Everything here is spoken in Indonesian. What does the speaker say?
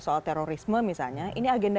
soal terorisme misalnya ini agenda